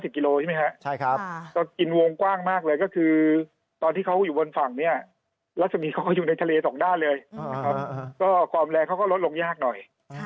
ความแรงของเขาก็ลดลงยากหน่อย